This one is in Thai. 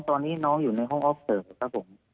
ตอนนี้น้องอยู่ในห้องออฟเสิร์ฟครับผม